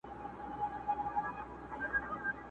فخر په پلار او په نیکونو کوي،